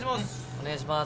お願いします